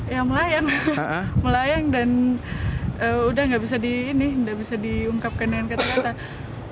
ya melayang melayang dan udah nggak bisa diungkapkan dengan kata kata